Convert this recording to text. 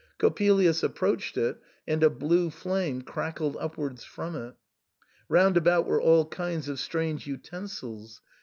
Coppelius approached it, and a blue flame crackled upwards from it. Round about were all kinds of strange utensils.